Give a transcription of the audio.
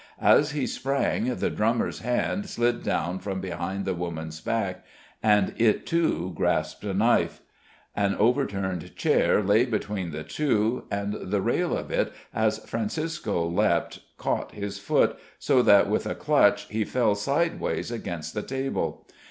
As he sprang the drummer's hand slid round from behind the woman's back, and it too grasped a knife. An overturned chair lay between the two, and the rail of it as Francisco leapt caught his foot, so that with a clutch he fell sideways against the table.